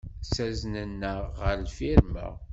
Ttaznen-aɣ ɣer lfirma.